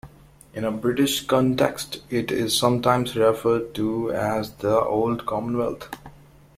In a British context, it is sometimes referred to as the "Old Commonwealth".